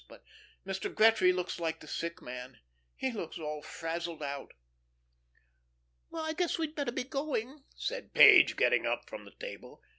But Mr. Gretry looks like the sick man. He looks all frazzled out." "I guess, we'd better be going," said Page, getting up from the table.